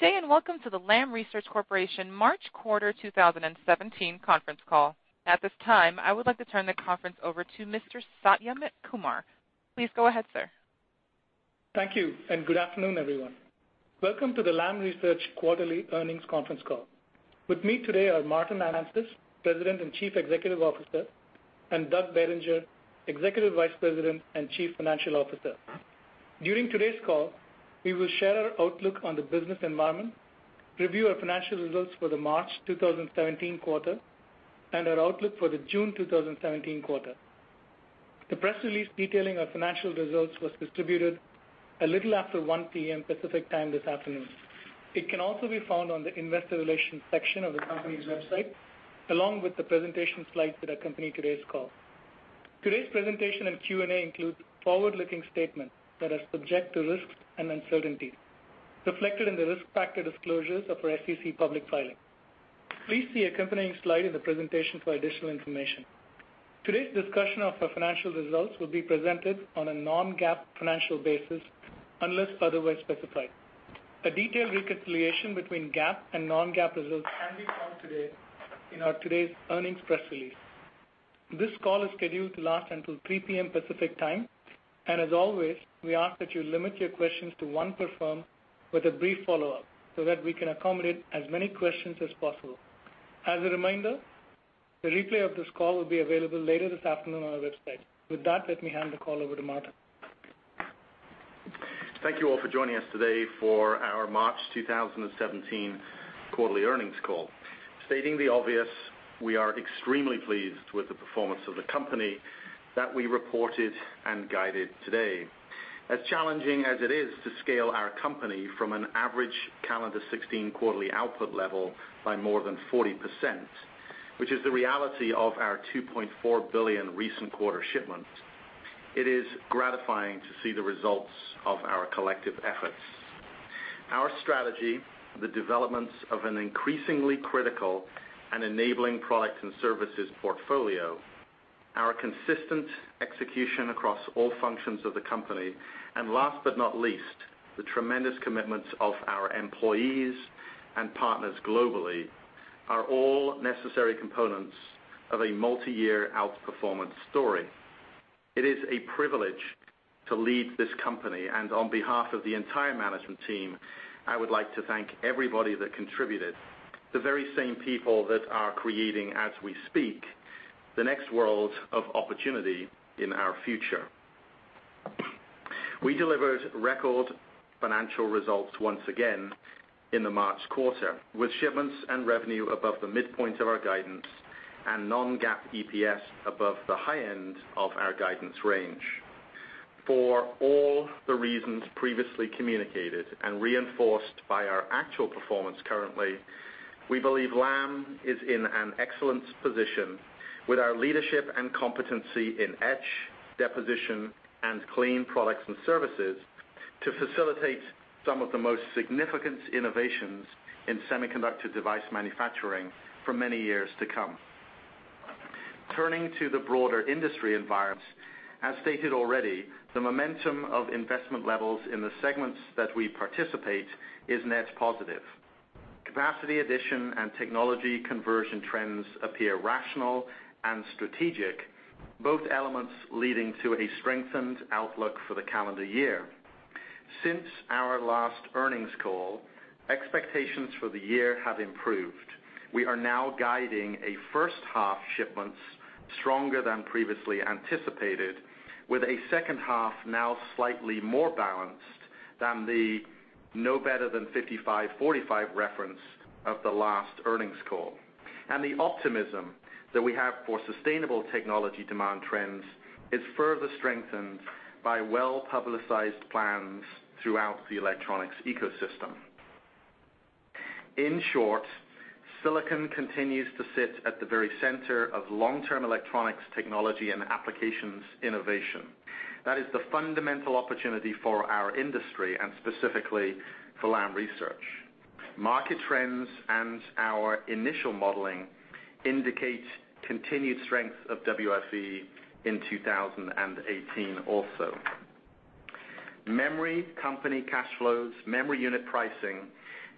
Good day, welcome to the Lam Research Corporation March quarter 2017 conference call. At this time, I would like to turn the conference over to Mr. Satya Kumar. Please go ahead, sir. Thank you, good afternoon, everyone. Welcome to the Lam Research quarterly earnings conference call. With me today are Martin Anstice, President and Chief Executive Officer, and Doug Bettinger, Executive Vice President and Chief Financial Officer. During today's call, we will share our outlook on the business environment, review our financial results for the March 2017 quarter, and our outlook for the June 2017 quarter. The press release detailing our financial results was distributed a little after 1:00 P.M. Pacific Time this afternoon. It can also be found on the investor relations section of the company's website, along with the presentation slides that accompany today's call. Today's presentation and Q&A includes forward-looking statements that are subject to risks and uncertainties reflected in the risk factor disclosures of our SEC public filing. Please see accompanying slide in the presentation for additional information. Today's discussion of our financial results will be presented on a non-GAAP financial basis unless otherwise specified. A detailed reconciliation between GAAP and non-GAAP results can be found today in our today's earnings press release. This call is scheduled to last until 3:00 P.M. Pacific Time, as always, we ask that you limit your questions to one per firm with a brief follow-up so that we can accommodate as many questions as possible. As a reminder, the replay of this call will be available later this afternoon on our website. With that, let me hand the call over to Martin. Thank you all for joining us today for our March 2017 quarterly earnings call. Stating the obvious, we are extremely pleased with the performance of the company that we reported and guided today. As challenging as it is to scale our company from an average calendar 2016 quarterly output level by more than 40%, which is the reality of our $2.4 billion recent quarter shipments, it is gratifying to see the results of our collective efforts. Our strategy, the developments of an increasingly critical and enabling product and services portfolio, our consistent execution across all functions of the company, and last but not least, the tremendous commitments of our employees and partners globally are all necessary components of a multi-year outperformance story. It is a privilege to lead this company. On behalf of the entire management team, I would like to thank everybody that contributed, the very same people that are creating as we speak, the next world of opportunity in our future. We delivered record financial results once again in the March quarter, with shipments and revenue above the midpoint of our guidance and non-GAAP EPS above the high end of our guidance range. For all the reasons previously communicated and reinforced by our actual performance currently, we believe Lam is in an excellent position with our leadership and competency in etch, deposition, and clean products and services to facilitate some of the most significant innovations in semiconductor device manufacturing for many years to come. Turning to the broader industry environment, as stated already, the momentum of investment levels in the segments that we participate is net positive. Capacity addition and technology conversion trends appear rational and strategic, both elements leading to a strengthened outlook for the calendar year. Since our last earnings call, expectations for the year have improved. We are now guiding a first half shipments stronger than previously anticipated, with a second half now slightly more balanced than the no better than 55/45 reference of the last earnings call. The optimism that we have for sustainable technology demand trends is further strengthened by well-publicized plans throughout the electronics ecosystem. In short, silicon continues to sit at the very center of long-term electronics technology and applications innovation. That is the fundamental opportunity for our industry and specifically for Lam Research. Market trends and our initial modeling indicate continued strength of WFE in 2018 also. Memory company cash flows, memory unit pricing,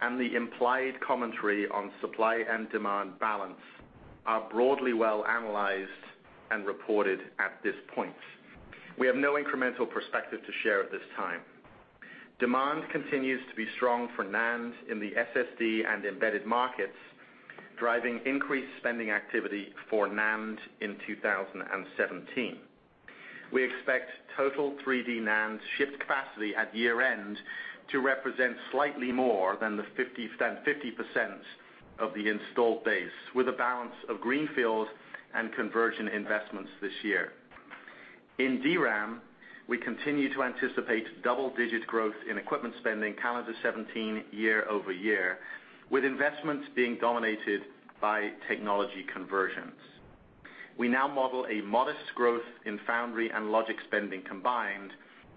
and the implied commentary on supply and demand balance are broadly well analyzed and reported at this point. We have no incremental perspective to share at this time. Demand continues to be strong for NAND in the SSD and embedded markets, driving increased spending activity for NAND in 2017. We expect total 3D NAND shipped capacity at year-end to represent slightly more than 50% of the installed base, with a balance of greenfield and conversion investments this year. In DRAM, we continue to anticipate double-digit growth in equipment spending calendar 2017 year-over-year, with investments being dominated by technology conversions. We now model a modest growth in foundry and logic spending combined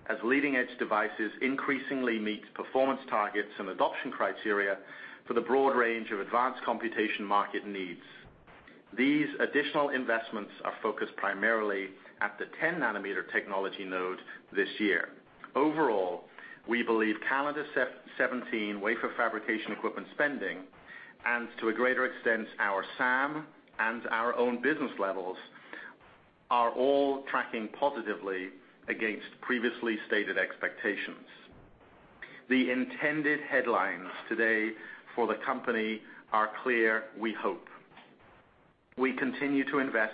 as leading-edge devices increasingly meet performance targets and adoption criteria for the broad range of advanced computation market needs. These additional investments are focused primarily at the 10 nanometer technology node this year. Overall, we believe calendar 2017 wafer fabrication equipment spending, and to a greater extent, our SAM and our own business levels are all tracking positively against previously stated expectations. The intended headlines today for the company are clear, we hope. We continue to invest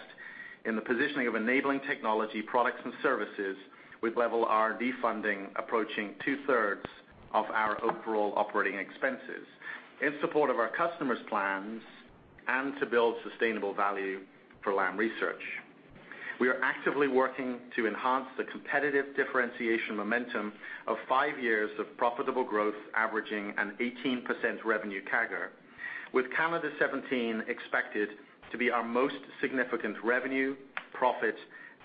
in the positioning of enabling technology products and services with level R&D funding approaching two-thirds of our overall operating expenses in support of our customers' plans and to build sustainable value for Lam Research. We are actively working to enhance the competitive differentiation momentum of five years of profitable growth, averaging an 18% revenue CAGR, with calendar 2017 expected to be our most significant revenue, profit,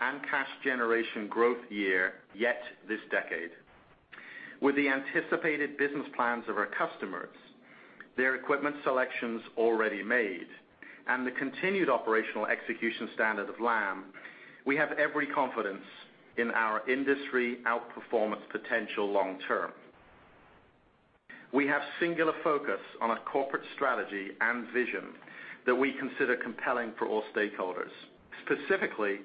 and cash generation growth year yet this decade. With the anticipated business plans of our customers, their equipment selections already made, and the continued operational execution standard of Lam, we have every confidence in our industry outperformance potential long-term. We have singular focus on a corporate strategy and vision that we consider compelling for all stakeholders. Specifically,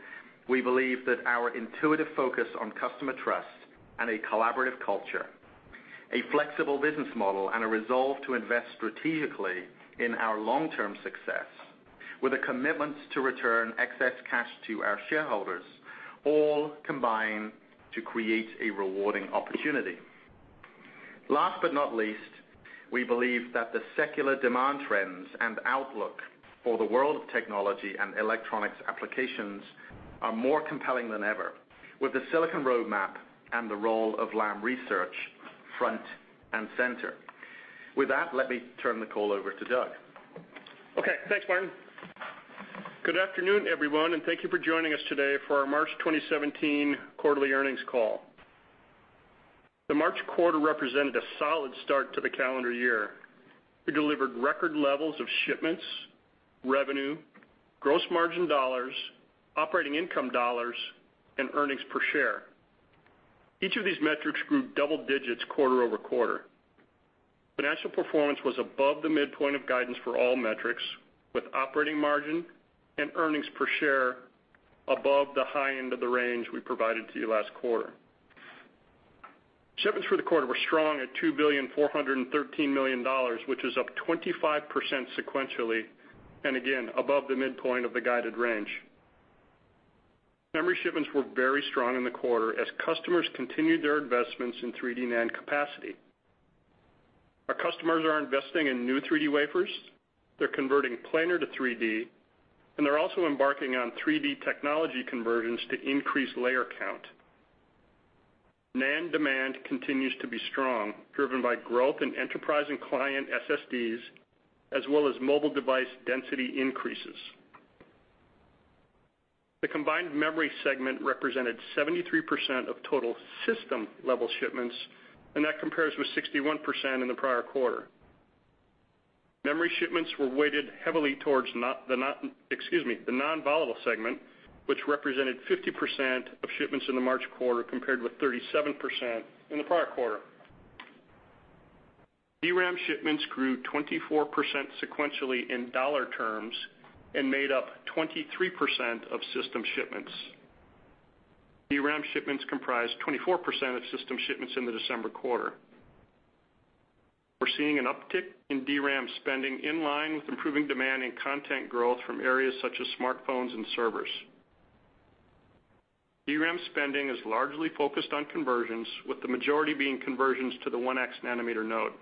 we believe that our intuitive focus on customer trust and a collaborative culture, a flexible business model, and a resolve to invest strategically in our long-term success with a commitment to return excess cash to our shareholders, all combine to create a rewarding opportunity. Last but not least, we believe that the secular demand trends and outlook for the world of technology and electronics applications are more compelling than ever with the silicon roadmap and the role of Lam Research front and center. With that, let me turn the call over to Doug. Okay, thanks, Martin. Good afternoon, everyone, and thank you for joining us today for our March 2017 quarterly earnings call. The March quarter represented a solid start to the calendar year. We delivered record levels of shipments, revenue, gross margin dollars, operating income dollars, and earnings per share. Each of these metrics grew double digits quarter-over-quarter. Financial performance was above the midpoint of guidance for all metrics, with operating margin and earnings per share above the high end of the range we provided to you last quarter. Shipments for the quarter were strong at $2.413 billion, which is up 25% sequentially, again, above the midpoint of the guided range. Memory shipments were very strong in the quarter as customers continued their investments in 3D NAND capacity. Our customers are investing in new 3D wafers, they're converting planar to 3D, and they're also embarking on 3D technology conversions to increase layer count. NAND demand continues to be strong, driven by growth in enterprise and client SSDs, as well as mobile device density increases. The combined memory segment represented 73% of total system-level shipments, that compares with 61% in the prior quarter. Memory shipments were weighted heavily towards the non-volatile segment, which represented 50% of shipments in the March quarter, compared with 37% in the prior quarter. DRAM shipments grew 24% sequentially in dollar terms and made up 23% of system shipments. DRAM shipments comprised 24% of system shipments in the December quarter. We're seeing an uptick in DRAM spending in line with improving demand and content growth from areas such as smartphones and servers. DRAM spending is largely focused on conversions, with the majority being conversions to the 1x nanometer node.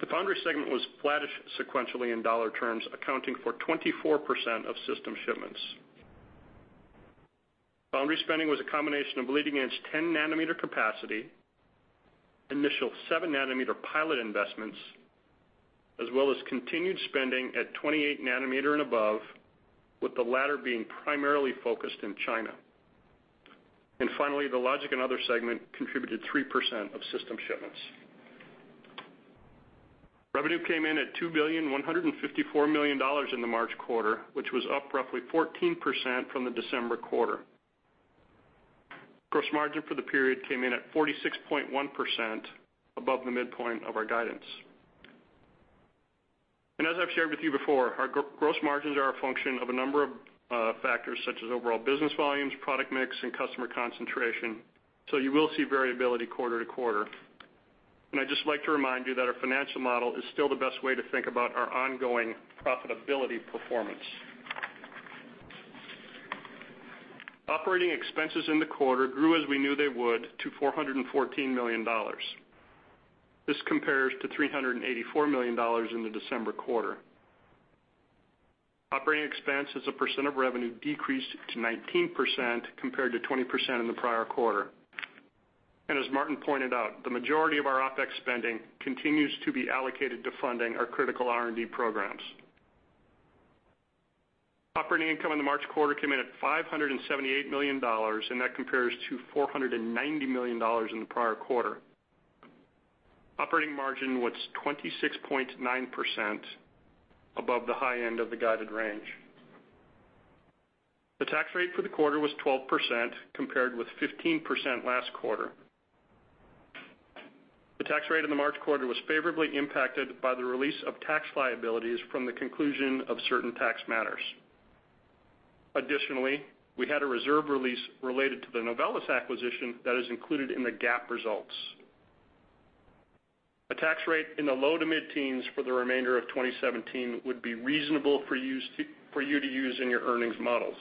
The foundry segment was flattish sequentially in dollar terms, accounting for 24% of system shipments. Foundry spending was a combination of leading-edge 10 nanometer capacity, initial 7 nanometer pilot investments, as well as continued spending at 28 nanometer and above, with the latter being primarily focused in China. Finally, the logic and other segment contributed 3% of system shipments. Revenue came in at $2.154 billion in the March quarter, which was up roughly 14% from the December quarter. Gross margin for the period came in at 46.1%, above the midpoint of our guidance. As I've shared with you before, our gross margins are a function of a number of factors such as overall business volumes, product mix, and customer concentration, you will see variability quarter-to-quarter. I'd just like to remind you that our financial model is still the best way to think about our ongoing profitability performance. Operating expenses in the quarter grew as we knew they would, to $414 million. This compares to $384 million in the December quarter. Operating expense as a percent of revenue decreased to 19%, compared to 20% in the prior quarter. As Martin pointed out, the majority of our OPEX spending continues to be allocated to funding our critical R&D programs. Operating income in the March quarter came in at $578 million, and that compares to $490 million in the prior quarter. Operating margin was 26.9%, above the high end of the guided range. The tax rate for the quarter was 12%, compared with 15% last quarter. The tax rate in the March quarter was favorably impacted by the release of tax liabilities from the conclusion of certain tax matters. Additionally, we had a reserve release related to the Novellus acquisition that is included in the GAAP results. A tax rate in the low to mid-teens for the remainder of 2017 would be reasonable for you to use in your earnings models.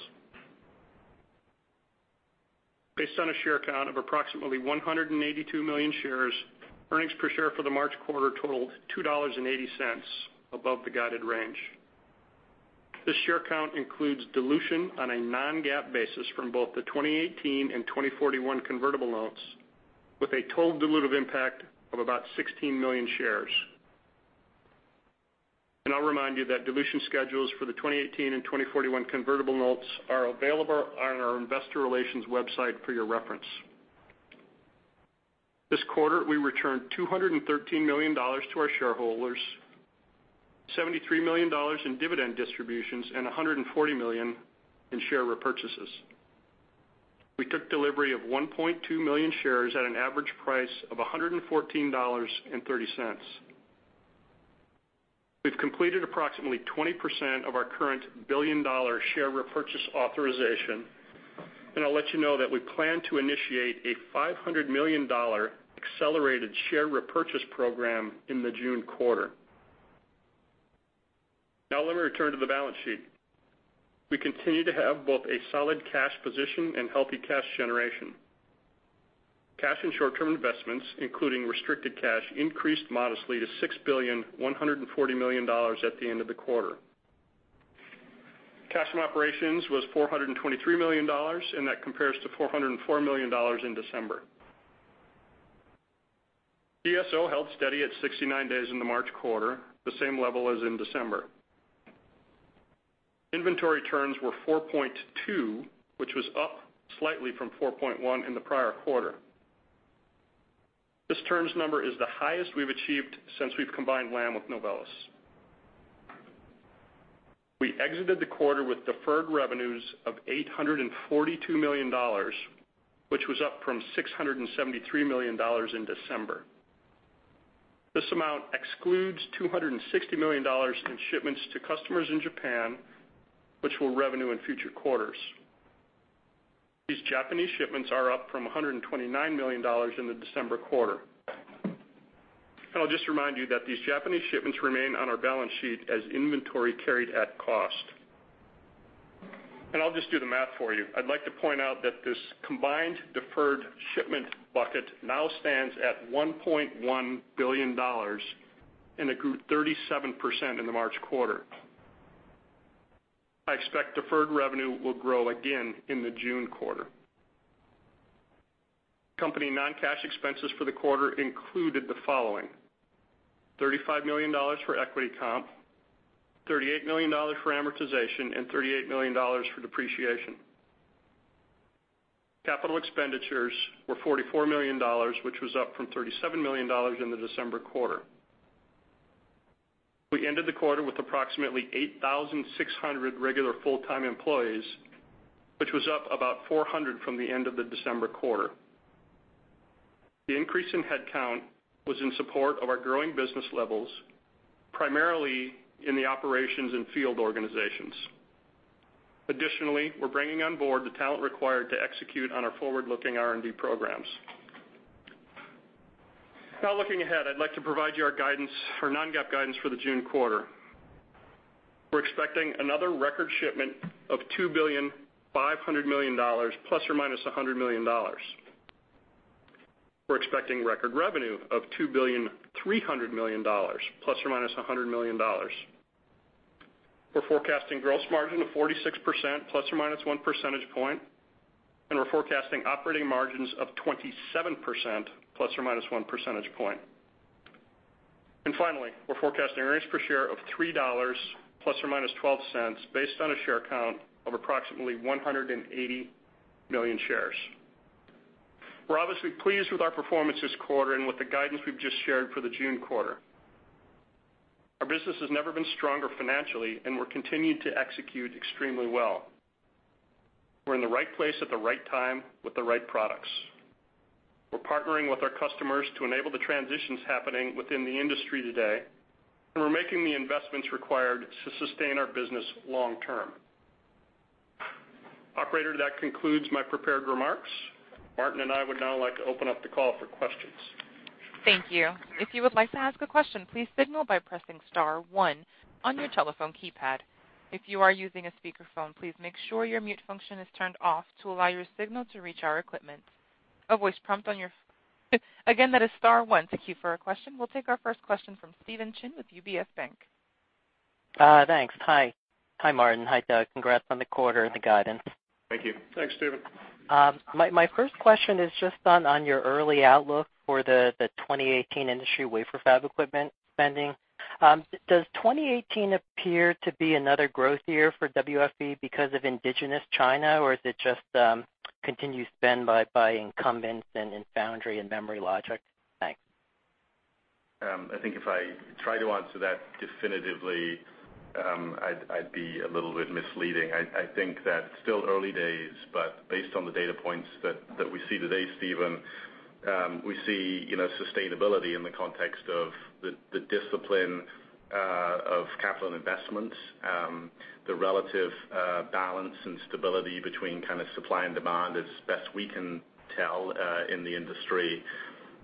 Based on a share count of approximately 182 million shares, earnings per share for the March quarter totaled $2.80, above the guided range. This share count includes dilution on a non-GAAP basis from both the 2018 and 2041 convertible notes, with a total dilutive impact of about 16 million shares. I'll remind you that dilution schedules for the 2018 and 2041 convertible notes are available on our investor relations website for your reference. This quarter, we returned $213 million to our shareholders, $73 million in dividend distributions, and $140 million in share repurchases. We took delivery of 1.2 million shares at an average price of $114.30. We've completed approximately 20% of our current billion-dollar share repurchase authorization. I'll let you know that we plan to initiate a $500 million accelerated share repurchase program in the June quarter. Now let me return to the balance sheet. We continue to have both a solid cash position and healthy cash generation. Cash and short-term investments, including restricted cash, increased modestly to $6,140,000,000 at the end of the quarter. Cash from operations was $423 million, and that compares to $404 million in December. DSO held steady at 69 days in the March quarter, the same level as in December. Inventory turns were 4.2, which was up slightly from 4.1 in the prior quarter. This turns number is the highest we've achieved since we've combined Lam with Novellus. We exited the quarter with deferred revenues of $842 million, which was up from $673 million in December. This amount excludes $260 million in shipments to customers in Japan, which will revenue in future quarters. These Japanese shipments are up from $129 million in the December quarter. I'll just remind you that these Japanese shipments remain on our balance sheet as inventory carried at cost. I'll just do the math for you. I'd like to point out that this combined deferred shipment bucket now stands at $1.1 billion and it grew 37% in the March quarter. I expect deferred revenue will grow again in the June quarter. Company non-cash expenses for the quarter included the following: $35 million for equity comp, $38 million for amortization, and $38 million for depreciation. Capital expenditures were $44 million, which was up from $37 million in the December quarter. We ended the quarter with approximately 8,600 regular full-time employees, which was up about 400 from the end of the December quarter. The increase in headcount was in support of our growing business levels, primarily in the operations and field organizations. Additionally, we're bringing on board the talent required to execute on our forward-looking R&D programs. Looking ahead, I'd like to provide you our non-GAAP guidance for the June quarter. We're expecting another record shipment of $2.5 billion, ±$100 million. We're expecting record revenue of $2.3 billion, ±$100 million. We're forecasting gross margin of 46%, ±one percentage point, and we're forecasting operating margins of 27%, ±one percentage point. Finally, we're forecasting earnings per share of $3, ±$0.12, based on a share count of approximately 180 million shares. We're obviously pleased with our performance this quarter and with the guidance we've just shared for the June quarter. Our business has never been stronger financially, we're continuing to execute extremely well. We're in the right place at the right time with the right products. We're partnering with our customers to enable the transitions happening within the industry today, we're making the investments required to sustain our business long term. Operator, that concludes my prepared remarks. Martin and I would now like to open up the call for questions. Thank you. If you would like to ask a question, please signal by pressing *1 on your telephone keypad. If you are using a speakerphone, please make sure your mute function is turned off to allow your signal to reach our equipment. Again, that is *1. Thank you for your question. We'll take our first question from Stephen Chin with UBS Bank. Thanks. Hi, Martin. Hi, Doug. Congrats on the quarter and the guidance. Thank you. Thanks, Stephen. My first question is just on your early outlook for the 2018 industry wafer fab equipment spending. Does 2018 appear to be another growth year for WFE because of indigenous China, or is it just continued spend by incumbents and in foundry and memory logic? Thanks. If I try to answer that definitively, I'd be a little bit misleading. I think that it's still early days, but based on the data points that we see today, Stepheen, we see sustainability in the context of the discipline of capital investments, the relative balance and stability between kind of supply and demand, as best we can tell, in the industry.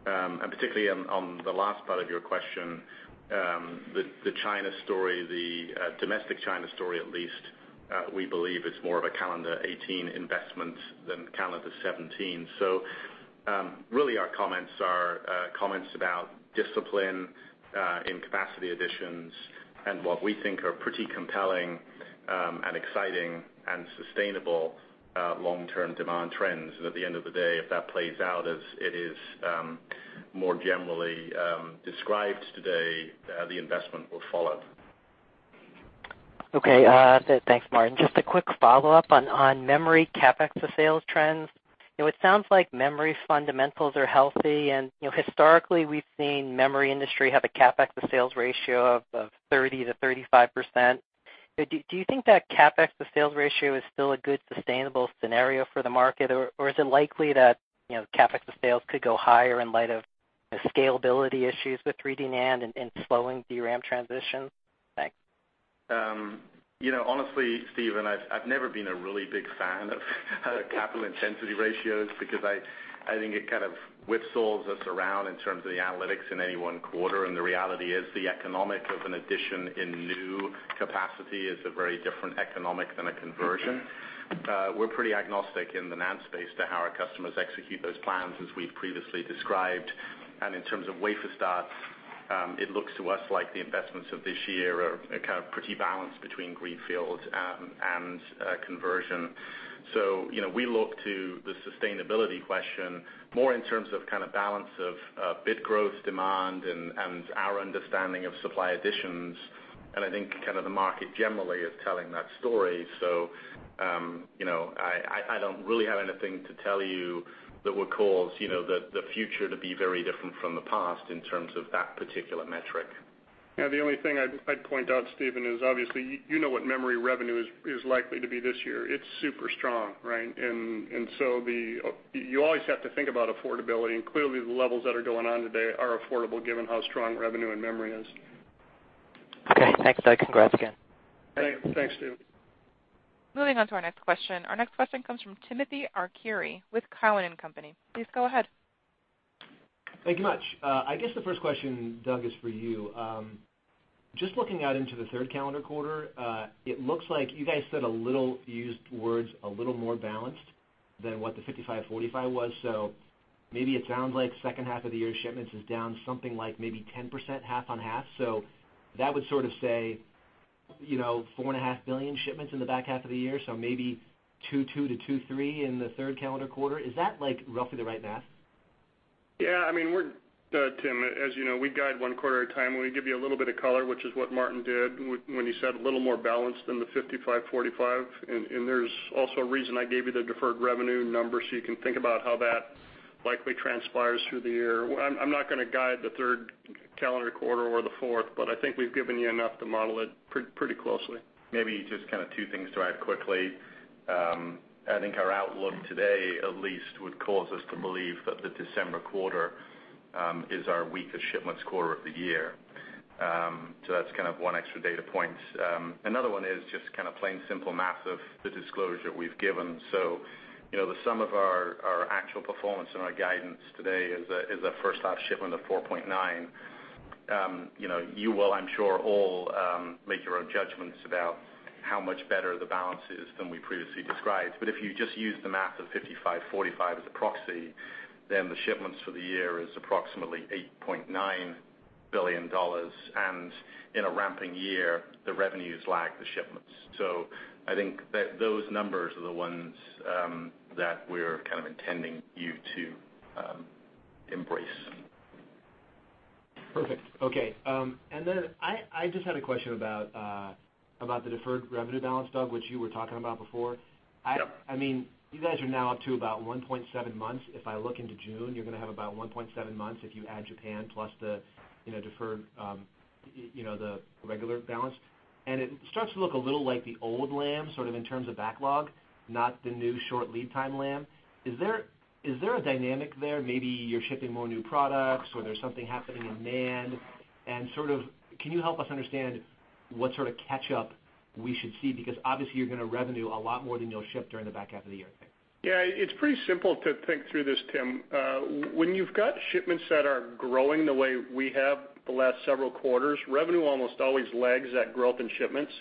Particularly on the last part of your question, the China story, the domestic China story at least, we believe is more of a calendar 2018 investment than calendar 2017. Really, our comments are comments about discipline in capacity additions and what we think are pretty compelling and exciting and sustainable long-term demand trends. At the end of the day, if that plays out as it is more generally described today, the investment will follow. Okay. Thanks, Martin. Just a quick follow-up on memory CapEx to sales trends. It sounds like memory fundamentals are healthy and historically, we've seen memory industry have a CapEx to sales ratio of 30%-35%. Do you think that CapEx to sales ratio is still a good sustainable scenario for the market, or is it likely that CapEx to sales could go higher in light of scalability issues with 3D NAND and slowing DRAM transition? Thanks. Honestly, Stephen, I've never been a really big fan of capital intensity ratios because I think it kind of whipples us around in terms of the analytics in any one quarter, and the reality is the economic of an addition in new capacity is a very different economic than a conversion. We're pretty agnostic in the NAND space to how our customers execute those plans as we've previously described. In terms of wafer starts, it looks to us like the investments of this year are kind of pretty balanced between greenfield and conversion. We look to the sustainability question more in terms of kind of balance of bit growth demand and our understanding of supply additions, and I think kind of the market generally is telling that story. I don't really have anything to tell you that would cause the future to be very different from the past in terms of that particular metric. Yeah, the only thing I'd point out, Stephen, is obviously, you know what memory revenue is likely to be this year. It's super strong, right? You always have to think about affordability, and clearly the levels that are going on today are affordable given how strong revenue in memory is. Okay. Thanks, Doug. Congrats again. Thanks, Stephen. Moving on to our next question. Our next question comes from Timothy Arcuri with Cowen and Company. Please go ahead. Thank you much. I guess the first question, Doug, is for you. Just looking out into the third calendar quarter, it looks like you guys said a little, you used words, a little more balanced than what the 55/45 was, maybe it sounds like second half of the year shipments is down something like maybe 10% half on half. That would sort of say, four and a half billion shipments in the back half of the year, maybe $2.2 billion-$2.3 billion in the third calendar quarter. Is that roughly the right math? Yeah. Tim, as you know, we guide one quarter at a time. We give you a little bit of color, which is what Martin did when he said a little more balanced than the 55/45. There's also a reason I gave you the deferred revenue number, so you can think about how that likely transpires through the year. I'm not going to guide the third calendar quarter or the fourth, but I think we've given you enough to model it pretty closely. Maybe just kind of two things to add quickly. I think our outlook today at least would cause us to believe that the December quarter is our weakest shipments quarter of the year. That's kind of one extra data point. Another one is just kind of plain simple math of the disclosure we've given. The sum of our actual performance and our guidance today is a first half shipment of $4.9. You will, I'm sure, all make your own judgments about how much better the balance is than we previously described. If you just use the math of 55/45 as a proxy, then the shipments for the year is approximately $8.9 billion. In a ramping year, the revenues lag the shipments. I think that those numbers are the ones that we're kind of intending you to embrace. Perfect. Okay. Then I just had a question about the deferred revenue balance, Doug, which you were talking about before. Yeah. You guys are now up to about 1.7 months. If I look into June, you're going to have about 1.7 months if you add Japan plus the deferred, the regular balance. It starts to look a little like the old Lam, sort of in terms of backlog, not the new short lead time Lam. Is there a dynamic there? Maybe you're shipping more new products or there's something happening in NAND, and sort of, can you help us understand what sort of catch-up we should see? Because obviously you're going to revenue a lot more than you'll ship during the back half of the year. Yeah, it's pretty simple to think through this, Tim. When you've got shipments that are growing the way we have the last several quarters, revenue almost always lags that growth in shipments.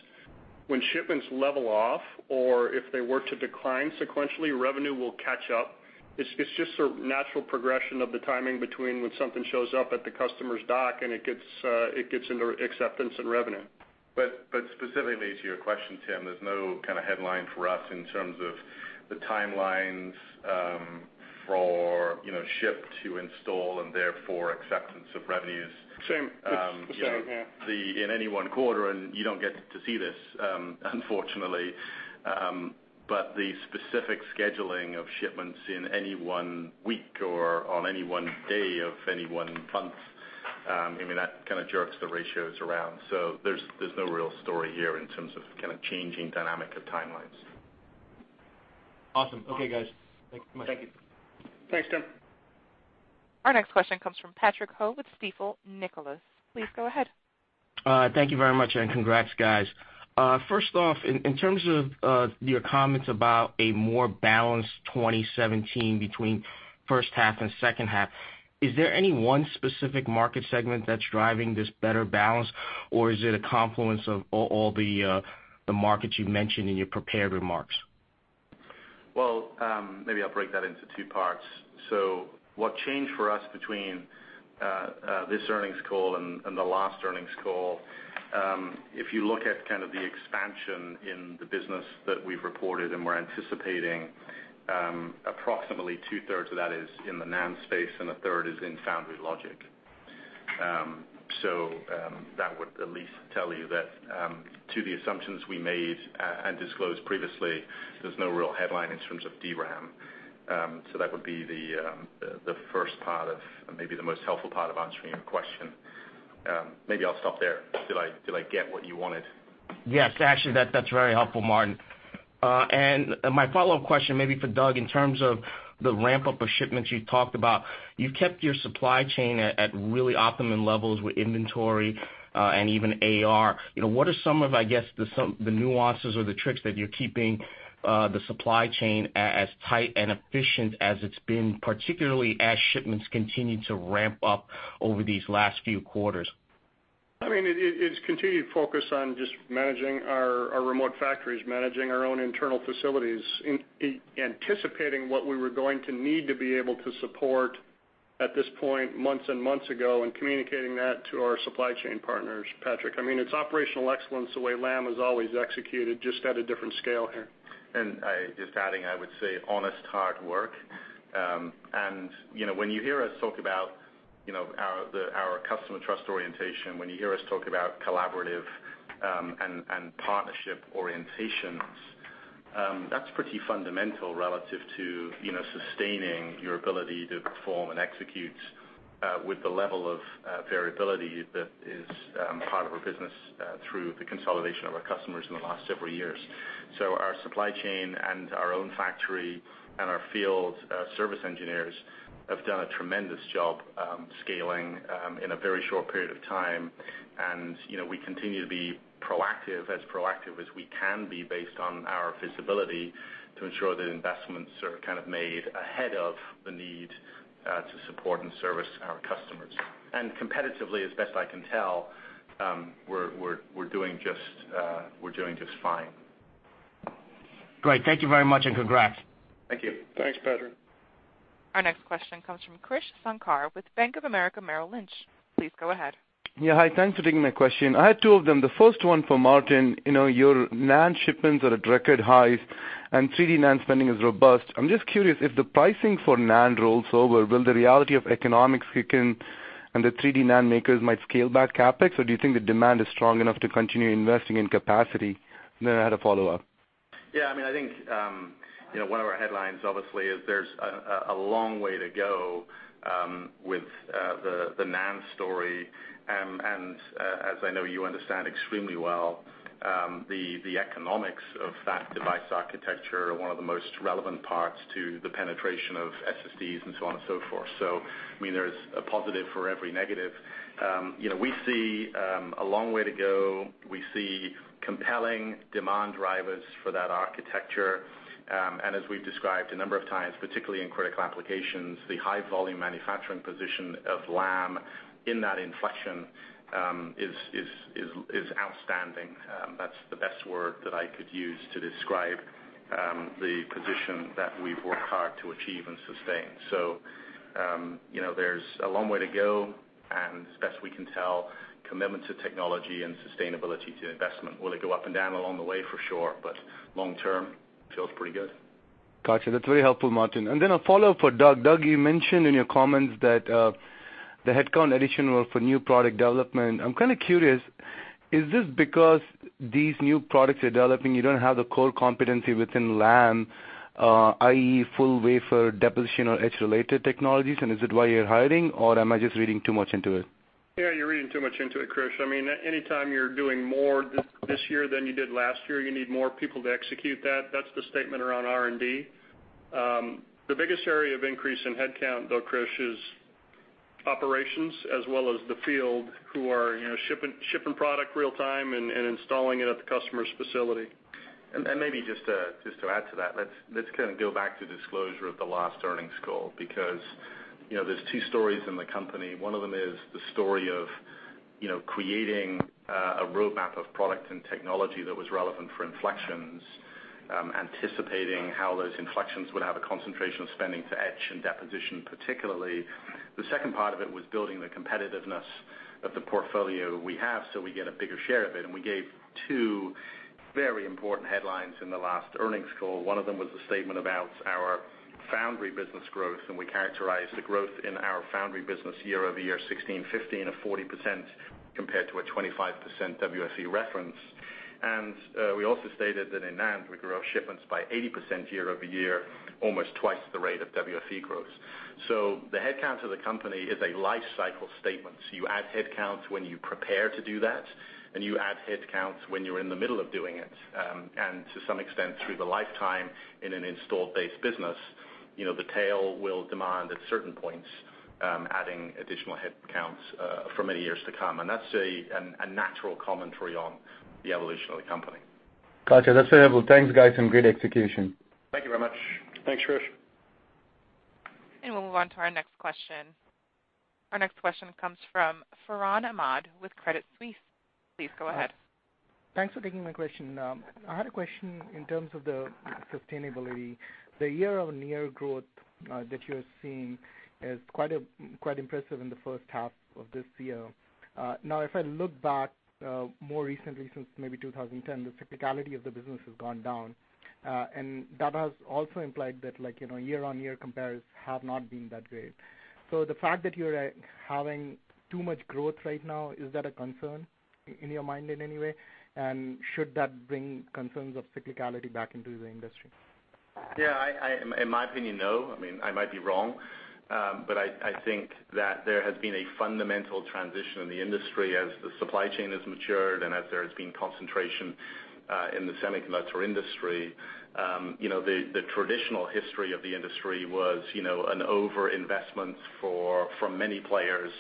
When shipments level off or if they were to decline sequentially, revenue will catch up. It's just a natural progression of the timing between when something shows up at the customer's dock and it gets into acceptance and revenue. Specifically to your question, Tim, there's no kind of headline for us in terms of the timelines for ship to install and therefore acceptance of revenues. Same. It's the same here. In any one quarter, and you don't get to see this, unfortunately, but the specific scheduling of shipments in any one week or on any one day of any one month, that kind of jerks the ratios around. There's no real story here in terms of kind of changing dynamic of timelines. Awesome. Okay, guys. Thanks so much. Thank you. Thanks, Tim. Our next question comes from Patrick Ho with Stifel Nicolaus. Please go ahead. Thank you very much, and congrats, guys. First off, in terms of your comments about a more balanced 2017 between first half and second half, is there any one specific market segment that's driving this better balance, or is it a confluence of all the markets you mentioned in your prepared remarks? Well, maybe I'll break that into two parts. What changed for us between this earnings call and the last earnings call, if you look at kind of the expansion in the business that we've reported and we're anticipating, approximately two-thirds of that is in the NAND space and a third is in foundry logic. That would at least tell you that to the assumptions we made and disclosed previously, there's no real headline in terms of DRAM. That would be the first part of maybe the most helpful part of answering your question. Maybe I'll stop there. Did I get what you wanted? Yes, actually, that's very helpful, Martin. My follow-up question maybe for Doug, in terms of the ramp-up of shipments you talked about, you've kept your supply chain at really optimum levels with inventory, and even AR. What are some of, I guess, the nuances or the tricks that you're keeping the supply chain as tight and efficient as it's been, particularly as shipments continue to ramp up over these last few quarters? It's continued focus on just managing our remote factories, managing our own internal facilities, anticipating what we were going to need to be able to support at this point months and months ago, and communicating that to our supply chain partners, Patrick. It's operational excellence the way Lam has always executed, just at a different scale here. Just adding, I would say honest, hard work. When you hear us talk about our customer trust orientation, when you hear us talk about collaborative and partnership orientations, that's pretty fundamental relative to sustaining your ability to perform and execute with the level of variability that is part of our business through the consolidation of our customers in the last several years. Our supply chain and our own factory and our field service engineers have done a tremendous job scaling in a very short period of time. We continue to be proactive, as proactive as we can be based on our visibility to ensure that investments are kind of made ahead of the need to support and service our customers. Competitively, as best I can tell, we're doing just fine. Great. Thank you very much, and congrats. Thank you. Thanks, Patrick. Our next question comes from Krish Sankar with Bank of America Merrill Lynch. Please go ahead. Yeah, hi. Thanks for taking my question. I have two of them. The first one for Martin. Your NAND shipments are at record highs and 3D NAND spending is robust. I'm just curious if the pricing for NAND rolls over, will the reality of economics kick in and the 3D NAND makers might scale back CapEx, or do you think the demand is strong enough to continue investing in capacity? I had a follow-up. Yeah, I think one of our headlines obviously is there's a long way to go with the NAND story. As I know you understand extremely well, the economics of that device architecture are one of the most relevant parts to the penetration of SSDs and so on and so forth. There's a positive for every negative. We see a long way to go. We see compelling demand drivers for that architecture. As we've described a number of times, particularly in critical applications, the high volume manufacturing position of Lam in that inflection is outstanding. That's the best word that I could use to describe the position that we've worked hard to achieve and sustain. There's a long way to go, and as best we can tell, commitments to technology and sustainability to investment will go up and down along the way, for sure, but long term, feels pretty good. Got you. That's very helpful, Martin. A follow-up for Doug. Doug, you mentioned in your comments that the headcount addition was for new product development. I'm kind of curious, is this because these new products you're developing, you don't have the core competency within Lam, i.e., full wafer deposition or etch-related technologies, and is it why you're hiring, or am I just reading too much into it? Yeah, you're reading too much into it, Krish. Anytime you're doing more this year than you did last year, you need more people to execute that. That's the statement around R&D. The biggest area of increase in headcount, though, Krish, is operations as well as the field who are shipping product real time and installing it at the customer's facility. Maybe just to add to that, let's kind of go back to disclosure at the last earnings call because there's two stories in the company. One of them is the story of creating a roadmap of product and technology that was relevant for inflections. I'm anticipating how those inflections would have a concentration of spending to etch and deposition, particularly. The second part of it was building the competitiveness of the portfolio we have so we get a bigger share of it. We gave two very important headlines in the last earnings call. One of them was the statement about our foundry business growth, and we characterized the growth in our foundry business year-over-year 2016/2015 of 40% compared to a 25% WFE reference. We also stated that in NAND, we grew our shipments by 80% year-over-year, almost twice the rate of WFE growth. The headcount of the company is a life cycle statement. You add headcounts when you prepare to do that, and you add headcounts when you're in the middle of doing it. To some extent, through the lifetime in an installed base business, the tail will demand at certain points, adding additional headcounts for many years to come. That's a natural commentary on the evolution of the company. Got you. That's very helpful. Thanks, guys, great execution. Thank you very much. Thanks, Krish. We'll move on to our next question. Our next question comes from Farhan Ahmad with Credit Suisse. Please go ahead. Thanks for taking my question. I had a question in terms of the sustainability. The year-over-year growth that you're seeing is quite impressive in the first half of this year. If I look back more recently, since maybe 2010, the cyclicality of the business has gone down. That has also implied that year-on-year compares have not been that great. The fact that you're having too much growth right now, is that a concern in your mind in any way? Should that bring concerns of cyclicality back into the industry? In my opinion, no. I might be wrong, but I think that there has been a fundamental transition in the industry as the supply chain has matured and as there has been concentration in the semiconductor industry. The traditional history of the industry was an overinvestment from many players,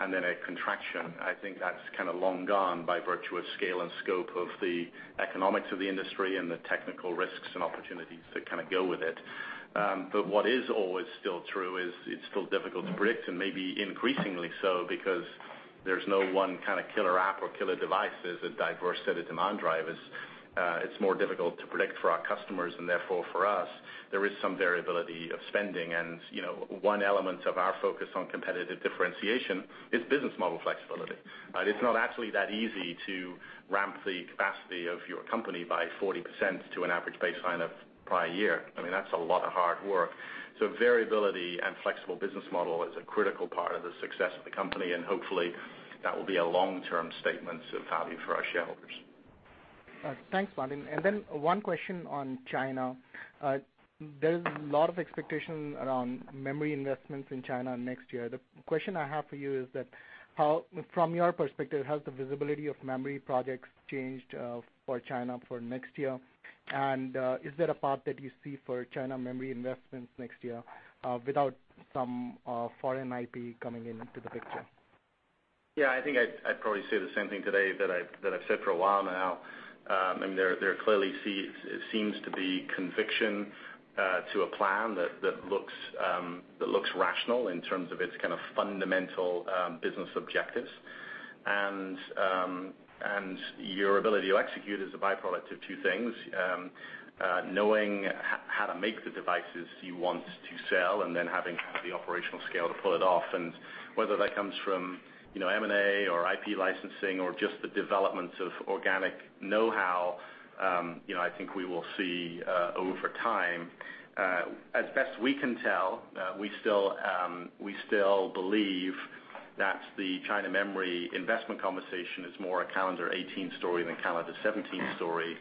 and then a contraction. I think that's kind of long gone by virtue of scale and scope of the economics of the industry and the technical risks and opportunities that kind of go with it. What is always still true is it's still difficult to predict, and maybe increasingly so because there's no one kind of killer app or killer device. There's a diverse set of demand drivers. It's more difficult to predict for our customers, and therefore for us. There is some variability of spending and one element of our focus on competitive differentiation is business model flexibility. It's not actually that easy to ramp the capacity of your company by 40% to an average baseline of prior year. That's a lot of hard work. Variability and flexible business model is a critical part of the success of the company, and hopefully that will be a long-term statement of value for our shareholders. Thanks, Martin. One question on China. There's a lot of expectation around memory investments in China next year. The question I have for you is that from your perspective, has the visibility of memory projects changed for China for next year? Is there a part that you see for China memory investments next year without some foreign IP coming into the picture? Yeah, I think I'd probably say the same thing today that I've said for a while now. There clearly seems to be conviction to a plan that looks rational in terms of its kind of fundamental business objectives. Your ability to execute is a byproduct of two things, knowing how to make the devices you want to sell, and then having the operational scale to pull it off. Whether that comes from M&A or IP licensing or just the development of organic know-how, I think we will see over time. As best we can tell, we still believe that the China memory investment conversation is more a calendar 2018 story than calendar 2017 story.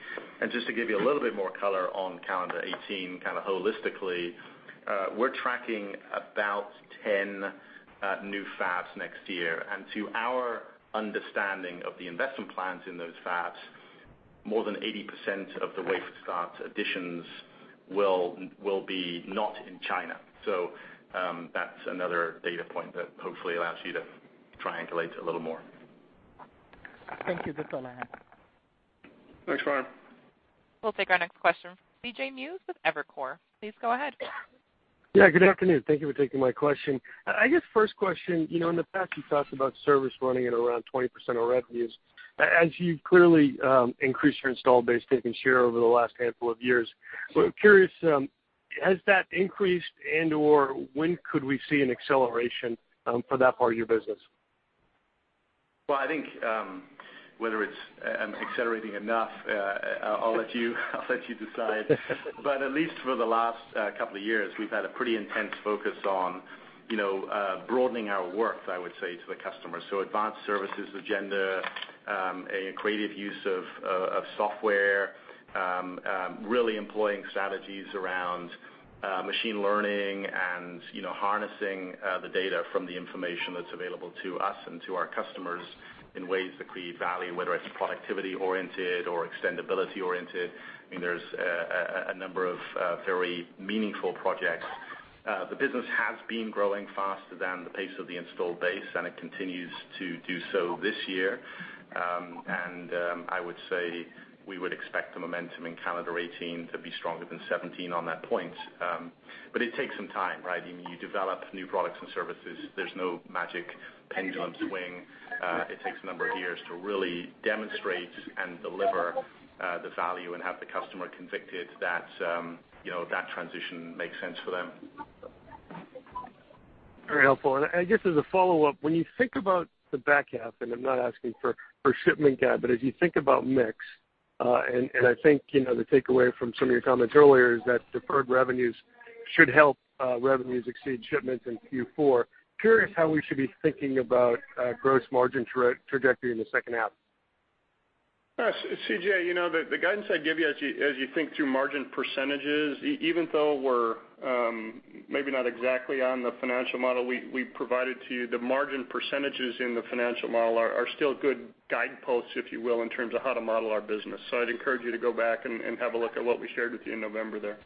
Just to give you a little bit more color on calendar 2018, kind of holistically, we're tracking about 10 new fabs next year. To our understanding of the investment plans in those fabs, more than 80% of the wave start additions will be not in China. That's another data point that hopefully allows you to triangulate a little more. Thank you. That's all I have. Thanks, Farhan. We'll take our next question from C.J. Muse with Evercore. Please go ahead. Yeah, good afternoon. Thank you for taking my question. I guess first question, in the past, you talked about service running at around 20% of revenues. As you've clearly increased your installed base taking share over the last handful of years, we're curious, has that increased and/or when could we see an acceleration for that part of your business? Well, I think whether it's accelerating enough, I'll let you decide. At least for the last couple of years, we've had a pretty intense focus on broadening our worth, I would say, to the customer. Advanced services agenda, a creative use of software, really employing strategies around machine learning and harnessing the data from the information that's available to us and to our customers in ways that create value, whether it's productivity-oriented or extendability-oriented. There's a number of very meaningful projects. The business has been growing faster than the pace of the installed base, and it continues to do so this year. I would say we would expect the momentum in calendar 2018 to be stronger than 2017 on that point. It takes some time, right? You develop new products and services. There's no magic pendulum swing. It takes a number of years to really demonstrate and deliver the value and have the customer convicted that transition makes sense for them. Very helpful. I guess as a follow-up, when you think about the back half, I'm not asking for shipment guide, but as you think about mix, I think, the takeaway from some of your comments earlier is that deferred revenues should help revenues exceed shipments in Q4. Curious how we should be thinking about gross margin trajectory in the second half. CJ, the guidance I'd give you as you think through margin percentages, even though we're maybe not exactly on the financial model we provided to you, the margin percentages in the financial model are still good guideposts, if you will, in terms of how to model our business. I'd encourage you to go back and have a look at what we shared with you in November there.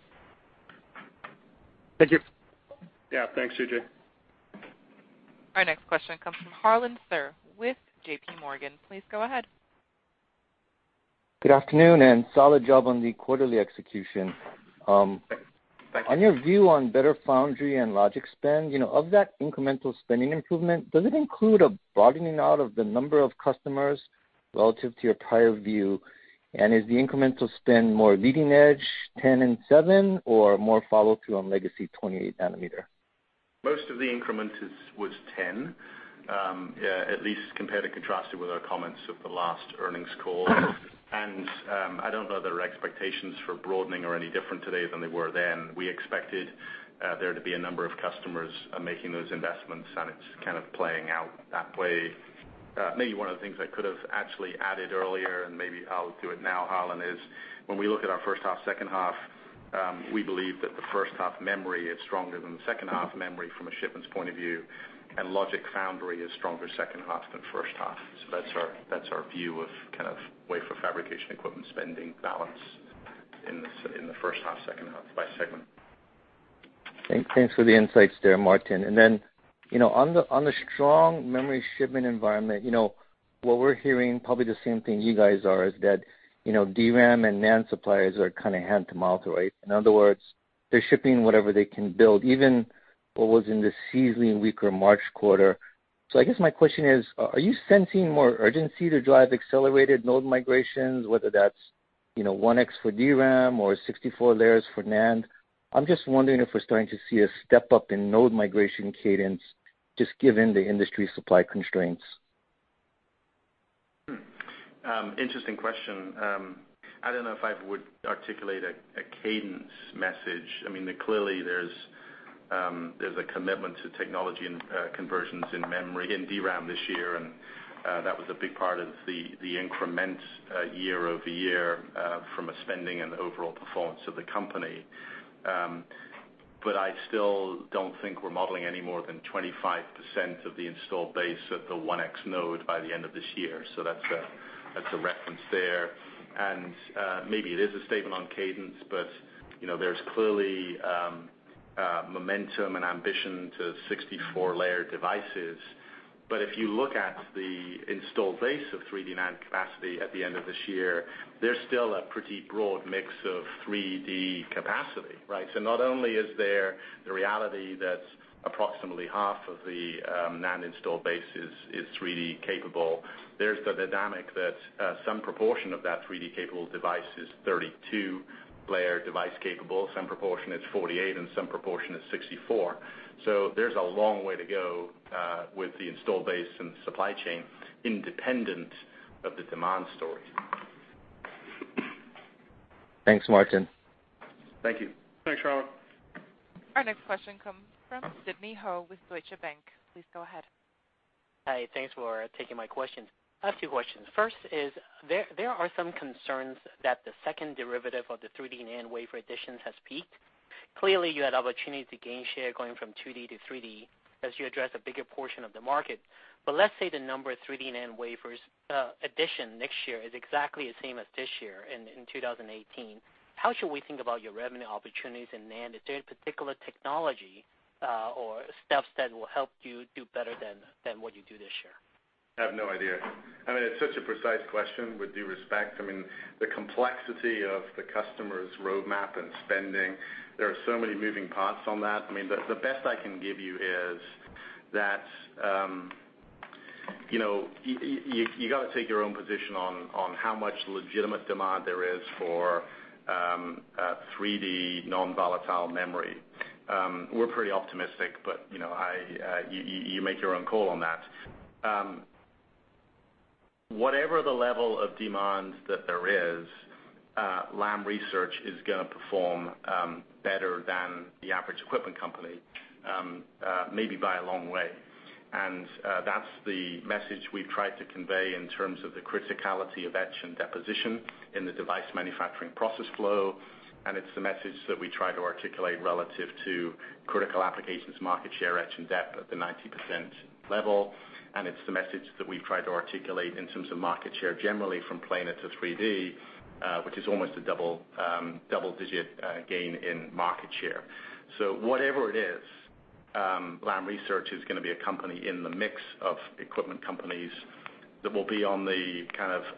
Thank you. Yeah. Thanks, CJ. Our next question comes from Harlan Sur with JPMorgan. Please go ahead. Good afternoon, solid job on the quarterly execution. Thanks. On your view on better foundry and logic spend, of that incremental spending improvement, does it include a broadening out of the number of customers relative to your prior view? Is the incremental spend more leading edge 10 and 7 or more follow-through on legacy 28 nanometer? Most of the increment was 10, at least compare and contrasted with our comments of the last earnings call. I don't know that our expectations for broadening are any different today than they were then. We expected there to be a number of customers making those investments, and it's kind of playing out that way. Maybe one of the things I could have actually added earlier, and maybe I'll do it now, Harlan, is when we look at our first half, second half, we believe that the first half memory is stronger than the second half memory from a shipments point of view, and logic foundry is stronger second half than first half. That's our view of kind of wafer fabrication equipment spending balance in the first half, second half by segment. Thanks for the insights there, Martin. On the strong memory shipment environment, what we're hearing, probably the same thing you guys are, is that DRAM and NAND suppliers are kind of hand to mouth, right? In other words, they're shipping whatever they can build, even what was in the seasonally weaker March quarter. I guess my question is, are you sensing more urgency to drive accelerated node migrations, whether that's 1X for DRAM or 64 layers for NAND? I'm just wondering if we're starting to see a step-up in node migration cadence, just given the industry supply constraints. Interesting question. I don't know if I would articulate a cadence message. Clearly there's a commitment to technology and conversions in memory in DRAM this year, and that was a big part of the increment year-over-year, from a spending and overall performance of the company. I still don't think we're modeling any more than 25% of the installed base at the 1X node by the end of this year. That's a reference there. Maybe it is a statement on cadence, but there's clearly momentum and ambition to 64-layer devices. If you look at the installed base of 3D NAND capacity at the end of this year, there's still a pretty broad mix of 3D capacity, right? Not only is there the reality that approximately half of the NAND installed base is 3D capable, there's the dynamic that some proportion of that 3D capable device is 32-layer device capable. Some proportion is 48 and some proportion is 64. There's a long way to go, with the installed base and the supply chain independent of the demand story. Thanks, Martin. Thank you. Thanks, Harlan. Our next question comes from Sidney Ho with Deutsche Bank. Please go ahead. Hi. Thanks for taking my question. I have two questions. First is, there are some concerns that the second derivative of the 3D NAND wafer additions has peaked. Clearly, you had opportunity to gain share going from 2D to 3D as you address a bigger portion of the market. Let's say the number of 3D NAND wafers addition next year is exactly the same as this year, in 2018. How should we think about your revenue opportunities in NAND? Is there a particular technology, or steps that will help you do better than what you do this year? I have no idea. It's such a precise question with due respect. The complexity of the customer's roadmap and spending, there are so many moving parts on that. The best I can give you is that you got to take your own position on how much legitimate demand there is for 3D non-volatile memory. We're pretty optimistic, but you make your own call on that. Whatever the level of demand that there is, Lam Research is going to perform better than the average equipment company, maybe by a long way. That's the message we've tried to convey in terms of the criticality of etch and deposition in the device manufacturing process flow, and it's the message that we try to articulate relative to critical applications market share, etch and dep at the 90% level. It's the message that we've tried to articulate in terms of market share generally from planar to 3D, which is almost a double-digit gain in market share. Whatever it is, Lam Research is going to be a company in the mix of equipment companies that will be on the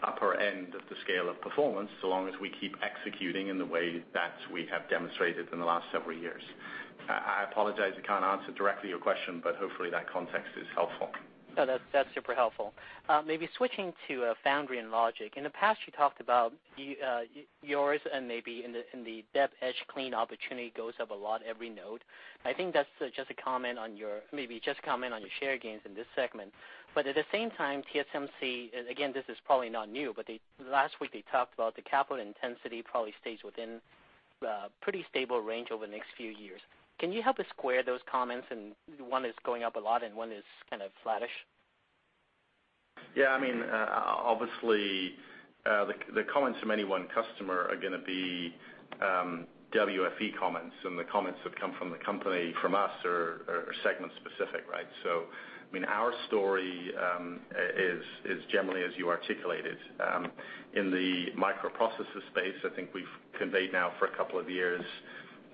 upper end of the scale of performance, so long as we keep executing in the way that we have demonstrated in the last several years. I apologize, I can't answer directly your question, but hopefully that context is helpful. No, that's super helpful. Maybe switching to foundry and logic. In the past, you talked about yours and maybe in the dep etch clean opportunity goes up a lot every node. I think that's just a comment on your share gains in this segment. But at the same time, TSMC, again, this is probably not new, but last week they talked about the capital intensity probably stays within a pretty stable range over the next few years. Can you help us square those comments and one is going up a lot and one is kind of flattish? Yeah. Obviously, the comments from any one customer are going to be WFE comments, and the comments that come from the company, from us are segment specific, right? Our story is generally as you articulated. In the microprocessor space, I think we've conveyed now for a couple of years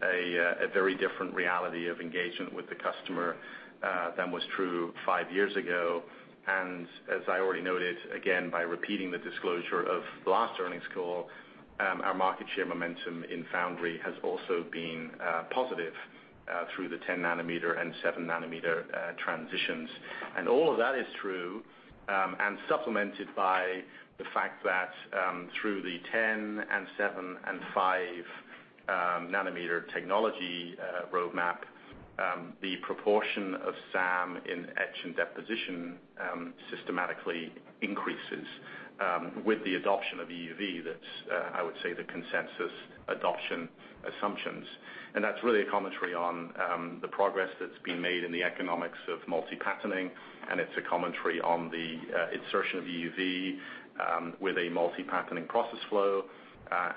a very different reality of engagement with the customer than was true five years ago. As I already noted, again, by repeating the disclosure of the last earnings call, our market share momentum in foundry has also been positive through the 10 nanometer and 7 nanometer transitions. All of that is true, and supplemented by the fact that through the 10 and 7 and 5 nanometer technology roadmap, the proportion of SAM in etch and deposition systematically increases with the adoption of EUV that's, I would say, the consensus adoption assumptions. That's really a commentary on the progress that's been made in the economics of multi-patterning, it's a commentary on the insertion of EUV with a multi-patterning process flow,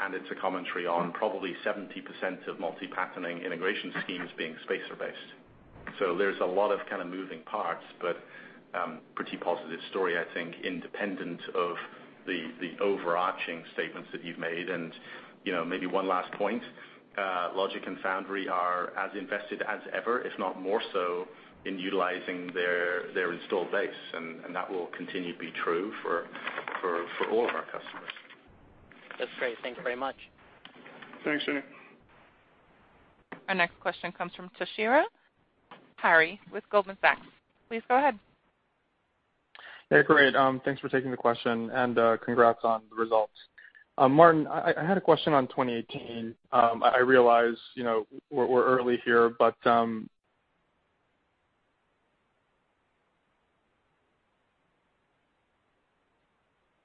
and it's a commentary on probably 70% of multi-patterning integration schemes being spacer based. There's a lot of kind of moving parts, but pretty positive story, I think, independent of the overarching statements that you've made. Maybe one last point, logic and foundry are as invested as ever, if not more so, in utilizing their installed base, and that will continue to be true for all of our customers. That's great. Thank you very much. Thanks, Sidney. Our next question comes from Toshiya Hari with Goldman Sachs. Please go ahead. Yeah, great. Thanks for taking the question and congrats on the results. Martin, I had a question on 2018. I realize we're early here.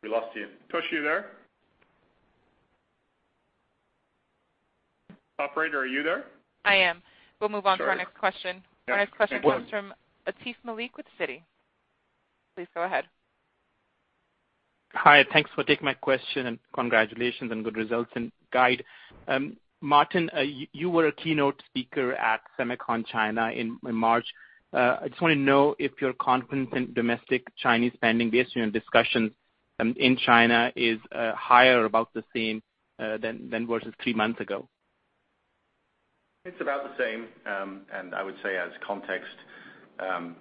We lost you. Toshi, you there? Operator, are you there? I am. We'll move on to our next question. Sure. Our next question comes from Atif Malik with Citi. Please go ahead. Hi, thanks for taking my question, and congratulations on good results and guide. Martin, you were a keynote speaker at SEMICON China in March. I just want to know if your confidence in domestic Chinese spending based on your discussions in China is higher, about the same than versus three months ago. It's about the same. I would say as context, I'm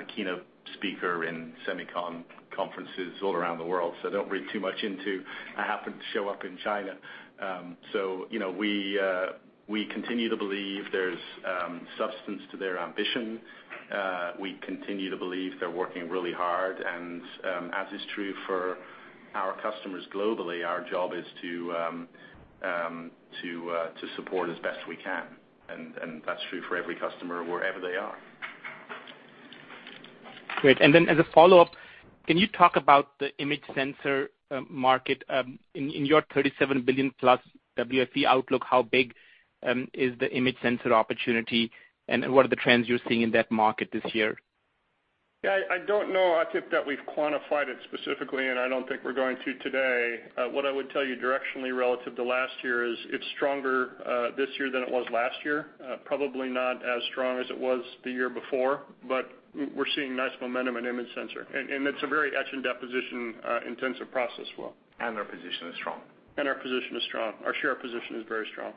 a keynote speaker in SEMICON conferences all around the world, don't read too much into I happen to show up in China. We continue to believe there's substance to their ambition. We continue to believe they're working really hard, and as is true for our customers globally, our job is to support as best we can, and that's true for every customer, wherever they are. Great. Then as a follow-up, can you talk about the image sensor market? In your $37 billion plus WFE outlook, how big is the image sensor opportunity, and what are the trends you're seeing in that market this year? Yeah, I don't know, Atif, that we've quantified it specifically, and I don't think we're going to today. What I would tell you directionally relative to last year is it's stronger this year than it was last year. Probably not as strong as it was the year before, but we're seeing nice momentum in image sensor. It's a very etch and deposition intensive process flow. Our position is strong. Our position is strong. Our share position is very strong.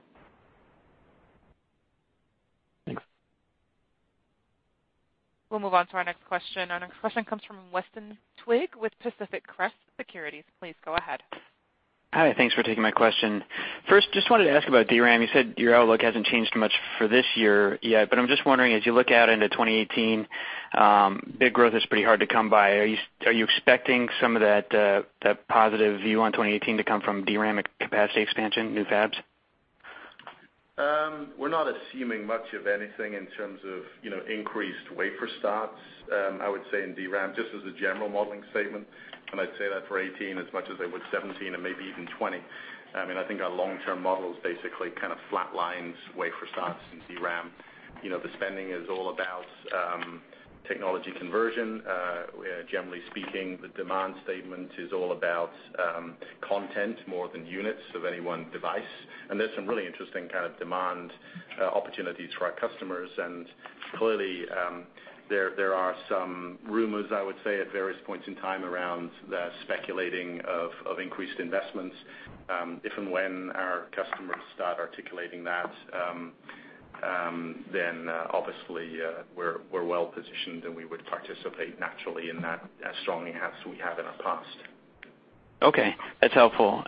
Thanks. We'll move on to our next question. Our next question comes from Weston Twigg with Pacific Crest Securities. Please go ahead. Hi, thanks for taking my question. First, just wanted to ask about DRAM. You said your outlook hasn't changed much for this year yet. I'm just wondering, as you look out into 2018, big growth is pretty hard to come by. Are you expecting some of that positive view on 2018 to come from DRAM capacity expansion, new fabs? We're not assuming much of anything in terms of increased wafer starts, I would say in DRAM, just as a general modeling statement. I'd say that for 2018 as much as I would 2017 and maybe even 2020. I think our long-term model is basically kind of flat lines wafer starts in DRAM. The spending is all about technology conversion. Generally speaking, the demand statement is all about content more than units of any one device. There's some really interesting kind of demand opportunities for our customers, and clearly, there are some rumors, I would say, at various points in time around the speculating of increased investments. If and when our customers start articulating that obviously, we're well-positioned, and we would participate naturally in that as strongly as we have in our past. Okay. That's helpful.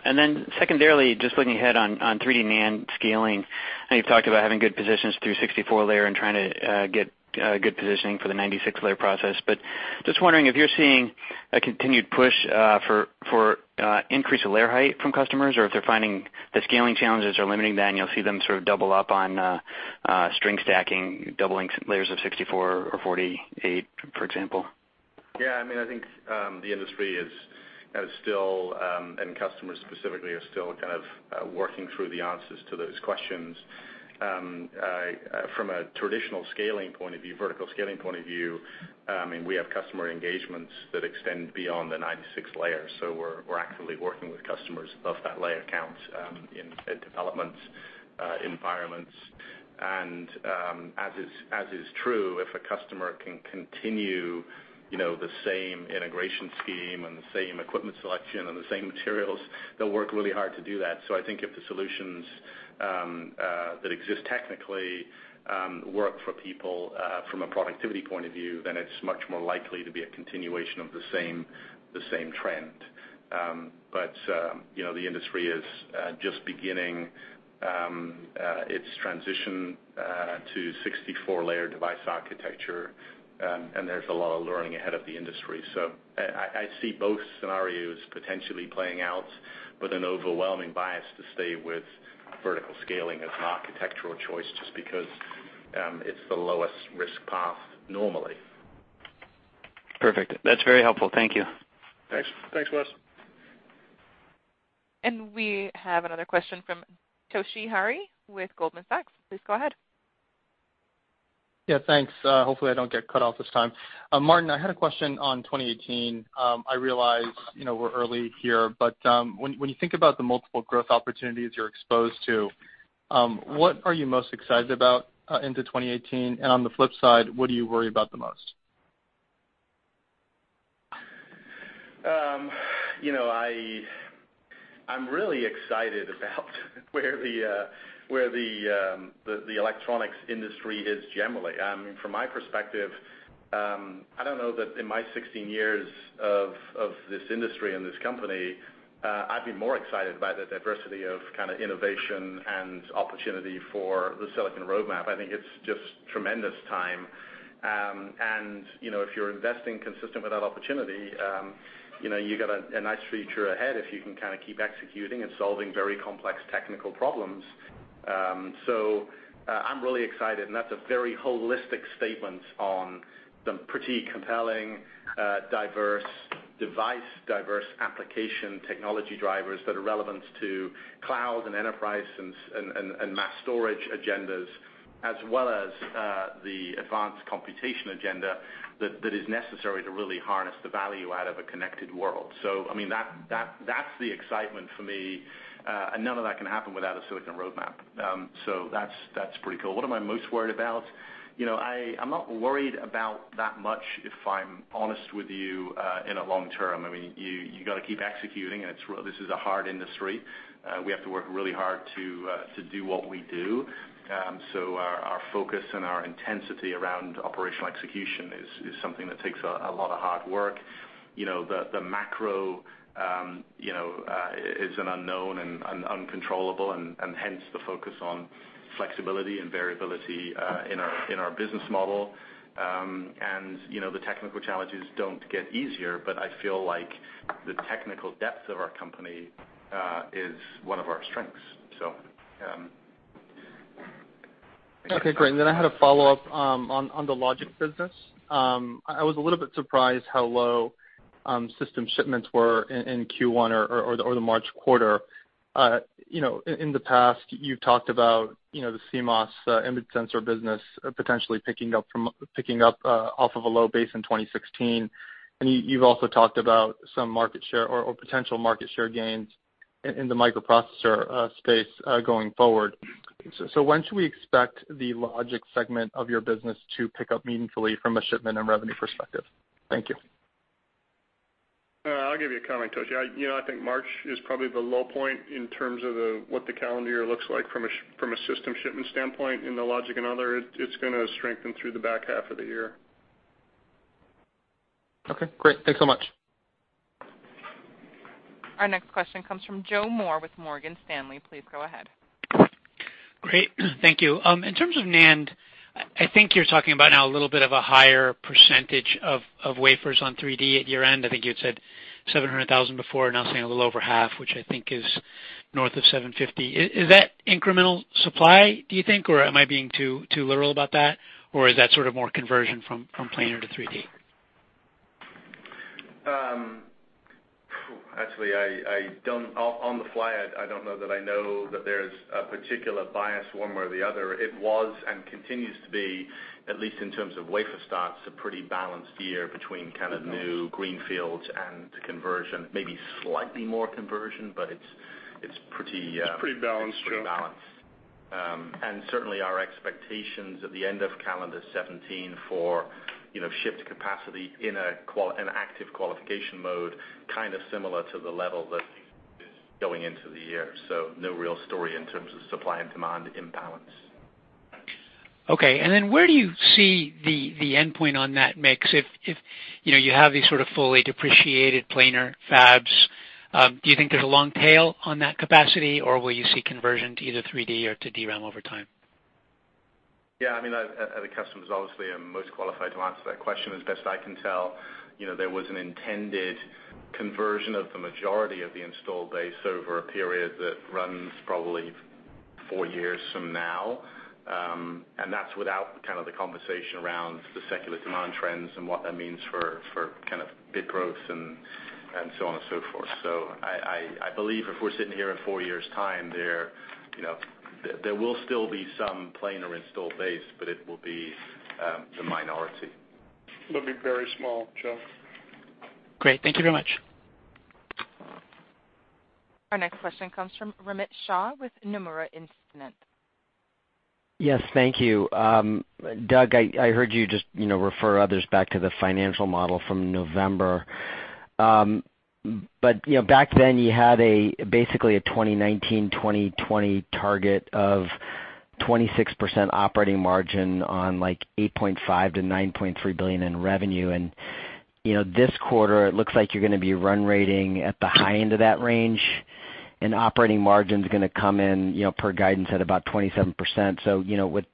Secondarily, just looking ahead on 3D NAND scaling, I know you've talked about having good positions through 64-layer and trying to get good positioning for the 96-layer process. Just wondering if you're seeing a continued push for increase of layer height from customers, or if they're finding the scaling challenges are limiting that and you'll see them sort of double up on string stacking, doubling layers of 64-layer or 48-layer, for example. Yeah. I think the industry is still, and customers specifically, are still kind of working through the answers to those questions. From a traditional scaling point of view, vertical scaling point of view, we have customer engagements that extend beyond the 96-layers. We're actively working with customers above that layer count in development environments. As is true, if a customer can continue the same integration scheme and the same equipment selection and the same materials, they'll work really hard to do that. I think if the solutions that exist technically work for people from a productivity point of view, it's much more likely to be a continuation of the same trend. The industry is just beginning its transition to 64-layer device architecture, and there's a lot of learning ahead of the industry. I see both scenarios potentially playing out with an overwhelming bias to stay with vertical scaling as an architectural choice, just because it's the lowest risk path normally. Perfect. That's very helpful. Thank you. Thanks, Wes. We have another question from Toshi Hari with Goldman Sachs. Please go ahead. Yeah, thanks. Hopefully, I don't get cut off this time. Martin, I had a question on 2018. I realize we're early here, when you think about the multiple growth opportunities you're exposed to, what are you most excited about into 2018? On the flip side, what do you worry about the most? I'm really excited about where the electronics industry is generally. From my perspective, I don't know that in my 16 years of this industry and this company, I've been more excited by the diversity of innovation and opportunity for the silicon roadmap. I think it's just tremendous time. If you're investing consistent with that opportunity, you got a nice future ahead if you can kind of keep executing and solving very complex technical problems. I'm really excited, that's a very holistic statement on some pretty compelling, diverse device, diverse application technology drivers that are relevant to cloud and enterprise and mass storage agendas, as well as the advanced computation agenda that is necessary to really harness the value out of a connected world. That's the excitement for me. None of that can happen without a silicon roadmap. That's pretty cool. What am I most worried about? I'm not worried about that much, if I'm honest with you, in a long term. You got to keep executing, this is a hard industry. We have to work really hard to do what we do. Our focus and our intensity around operational execution is something that takes a lot of hard work. The macro is an unknown and uncontrollable, hence, the focus on flexibility and variability in our business model. The technical challenges don't get easier, I feel like the technical depth of our company is one of our strengths. Okay, great. I had a follow-up on the logic business. I was a little bit surprised how low system shipments were in Q1 or the March quarter. In the past, you talked about the CMOS image sensor business potentially picking up off of a low base in 2016. You've also talked about some market share or potential market share gains in the microprocessor space going forward. When should we expect the logic segment of your business to pick up meaningfully from a shipment and revenue perspective? Thank you. I'll give you a comment, Toshi. I think March is probably the low point in terms of what the calendar year looks like from a system shipment standpoint. In the logic and other, it's going to strengthen through the back half of the year. Okay, great. Thanks so much. Our next question comes from Joseph Moore with Morgan Stanley. Please go ahead. Great, thank you. In terms of NAND, I think you're talking about now a little bit of a higher percentage of wafers on 3D at year-end. I think you had said 700,000 before, now saying a little over half, which I think is north of 750. Is that incremental supply, do you think, or am I being too literal about that, or is that sort of more conversion from planar to 3D? On the fly, I don't know that I know that there's a particular bias one way or the other. It was, and continues to be, at least in terms of wafer starts, a pretty balanced year between kind of new greenfields and conversion, maybe slightly more conversion, but it's pretty balanced, Joe. Certainly, our expectations at the end of calendar 2017 for shipped capacity in an active qualification mode, kind of similar to the level that going into the year, no real story in terms of supply and demand imbalance. Okay. Then where do you see the endpoint on that mix? If you have these sort of fully depreciated planar fabs, do you think there's a long tail on that capacity, or will you see conversion to either 3D or to DRAM over time? Yeah, the customers obviously are most qualified to answer that question. As best I can tell, there was an intended conversion of the majority of the install base over a period that runs probably four years from now. That's without the conversation around the secular demand trends and what that means for bit growths and so on and so forth. I believe if we're sitting here in four years' time, there will still be some planar install base, but it will be the minority. It'll be very small, Joe. Great. Thank you very much. Our next question comes from Romit Shah with Nomura Instinet. Yes, thank you. Doug, I heard you just refer others back to the financial model from November. Back then you had basically a 2019, 2020 target of 26% operating margin on like $8.5 billion-$9.3 billion in revenue, and this quarter it looks like you're going to be run rating at the high end of that range, and operating margin's going to come in per guidance at about 27%.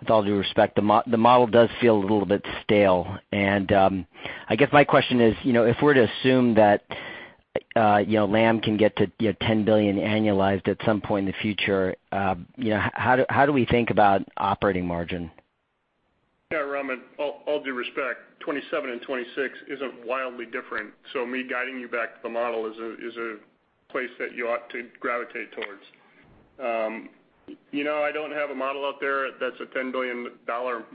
With all due respect, the model does feel a little bit stale, and I guess my question is, if we're to assume that Lam can get to $10 billion annualized at some point in the future, how do we think about operating margin? Yeah, Romit, all due respect, 27 and 26 isn't wildly different, me guiding you back to the model is a place that you ought to gravitate towards. I don't have a model out there that's a $10 billion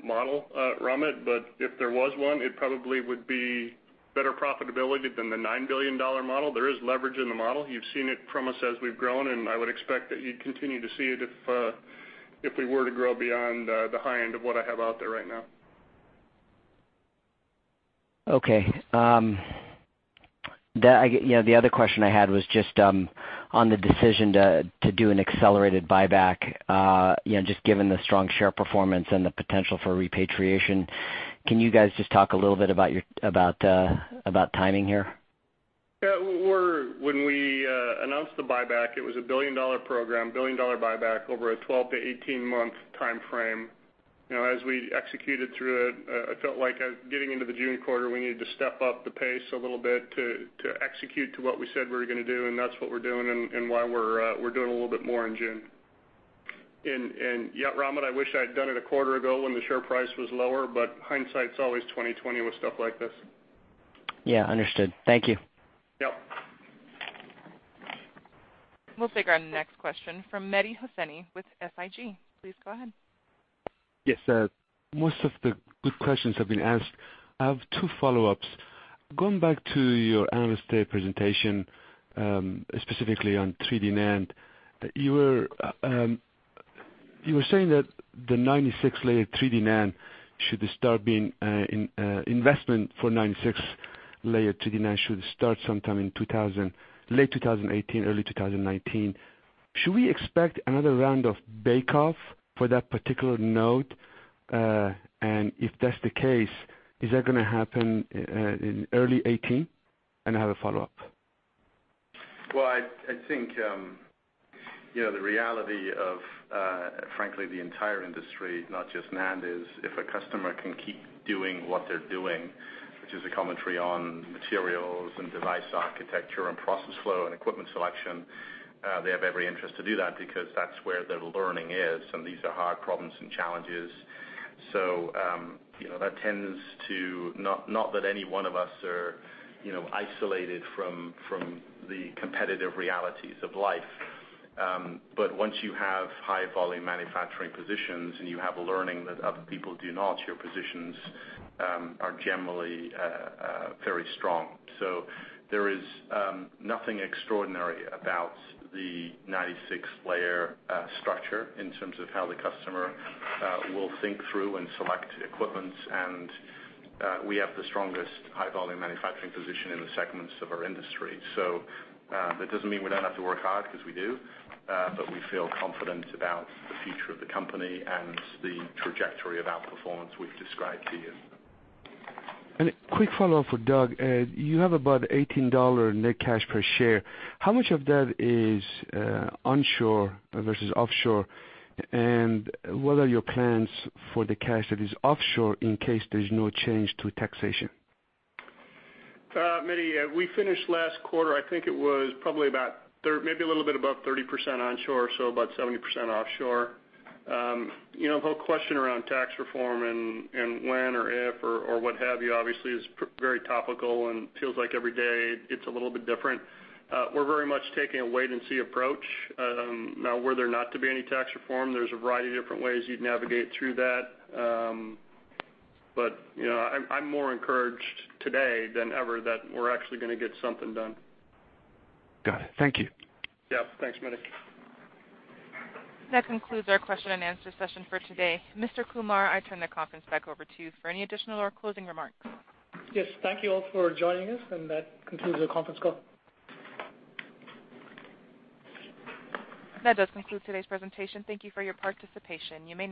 model, Romit, if there was one, it probably would be better profitability than the $9 billion model. There is leverage in the model. You've seen it from us as we've grown, I would expect that you'd continue to see it if we were to grow beyond the high end of what I have out there right now. Okay. The other question I had was just on the decision to do an accelerated buyback, just given the strong share performance and the potential for repatriation. Can you guys just talk a little bit about timing here? Yeah. When we announced the buyback, it was a billion-dollar program, billion-dollar buyback over a 12-18-month timeframe. As we executed through it, I felt like getting into the June quarter, we needed to step up the pace a little bit to execute to what we said we were going to do, and that's what we're doing and why we're doing a little bit more in June. Yeah, Romit, I wish I'd done it a quarter ago when the share price was lower, hindsight's always 20/20 with stuff like this. Yeah. Understood. Thank you. Yep. We'll take our next question from Mehdi Hosseini with SIG. Please go ahead. Yes, sir. Most of the good questions have been asked. I have two follow-ups. Going back to your Analyst Day presentation, specifically on 3D NAND, you were saying that the 96-layer 3D NAND, investment for 96-layer 3D NAND should start sometime in late 2018, early 2019. Should we expect another round of bake-off for that particular node? If that's the case, is that going to happen in early 2018? I have a follow-up. Well, I think the reality of, frankly, the entire industry, not just NAND, is if a customer can keep doing what they're doing, which is a commentary on materials and device architecture and process flow and equipment selection, they have every interest to do that because that's where their learning is, and these are hard problems and challenges. That tends to, not that any one of us are isolated from the competitive realities of life. Once you have high-volume manufacturing positions and you have a learning that other people do not, your positions are generally very strong. There is nothing extraordinary about the 96-layer structure in terms of how the customer will think through and select equipments, and we have the strongest high-volume manufacturing position in the segments of our industry. That doesn't mean we don't have to work hard, because we do, but we feel confident about the future of the company and the trajectory of our performance we've described to you. A quick follow-up for Doug. You have about $18 net cash per share. How much of that is onshore versus offshore? What are your plans for the cash that is offshore in case there's no change to taxation? Mehdi, we finished last quarter, I think it was probably about, maybe a little bit above 30% onshore, so about 70% offshore. The whole question around tax reform and when or if or what have you, obviously, is very topical and feels like every day it's a little bit different. We're very much taking a wait-and-see approach. Now, were there not to be any tax reform, there's a variety of different ways you'd navigate through that. I'm more encouraged today than ever that we're actually going to get something done. Got it. Thank you. Yeah. Thanks, Mehdi. That concludes our question and answer session for today. Mr. Kumar, I turn the conference back over to you for any additional or closing remarks. Yes. Thank you all for joining us, and that concludes our conference call. That does conclude today's presentation. Thank you for your participation. You may now.